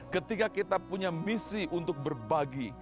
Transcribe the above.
ketika kita punya misi untuk berbagi